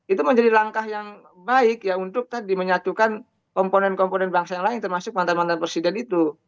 itu menjadi langkah yang baik ya untuk tadi menyatukan komponen komponen bangsa yang lain termasuk mantan mantan presiden itu